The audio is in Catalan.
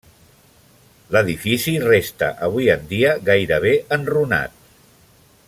L'edifici resta avui en dia, gairebé enrunat.